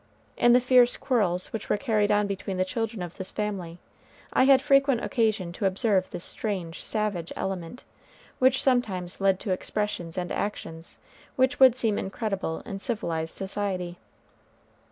In the fierce quarrels which were carried on between the children of this family, I had frequent occasion to observe this strange, savage element, which sometimes led to expressions and actions which would seem incredible in civilized society.